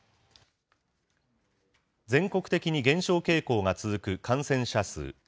全国的に減少傾向が続く感染者数。